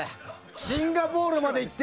シンガポールまで行って。